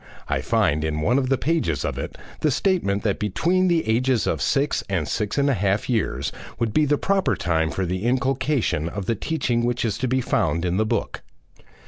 I find, in one of the pages of it, the statement that between the ages of six and six and a half years would be the proper time for the inculcation of the teaching which is to be found in the book.